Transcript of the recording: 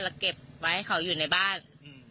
นะเก็บไว้ก็อยู่ในบ้าน